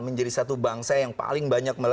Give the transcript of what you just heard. menjadi satu bangsa yang paling banyak